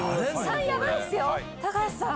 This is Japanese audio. ３やばいですよ高橋さん。